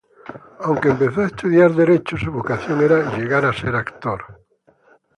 Aunque empezó a estudiar derecho, su vocación era llegar a ser actor.